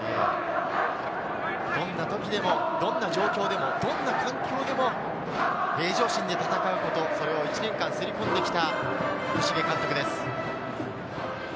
どんな時でもどんな状況でも、どんな環境でも、平常心で戦うこと、それを１年間刷り込んできた福重監督です。